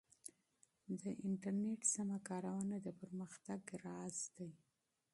د انټرنیټ سمه کارونه د پرمختګ راز دی.